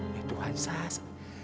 ya tuhan sas